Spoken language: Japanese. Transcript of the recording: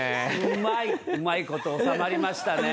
うまいこと収まりましたね。